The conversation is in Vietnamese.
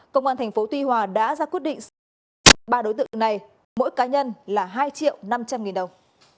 công an tp tuy hòa đã ra quyết định xử phạt ba đối tượng này mỗi cá nhân là hai triệu năm trăm linh nghìn đồng